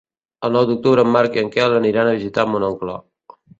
El nou d'octubre en Marc i en Quel aniran a visitar mon oncle.